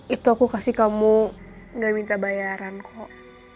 itu aku kasih kamu gak minta bayaran kok